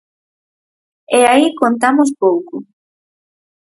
E aí contamos pouco.